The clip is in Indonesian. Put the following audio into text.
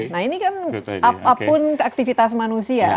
nah ini kan apapun aktivitas manusia